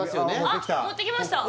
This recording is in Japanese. あ持ってきました